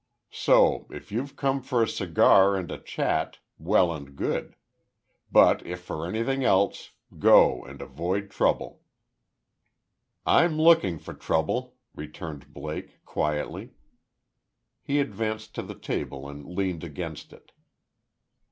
So, if you've come for a cigar and a chat, well and good. But if for anything else, go and avoid trouble." "I'm looking for trouble," returned Blake, quietly. He advanced to the table and leaned against it.